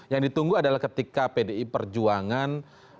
yang ditunggu adalah ketika pdi perjuangan